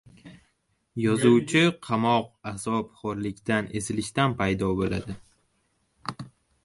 Yozuvchi — qamok, azob, xo‘rlikdan, ezilishdan paydo bo‘ladi!